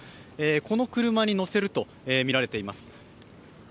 この車に乗せるとみられています。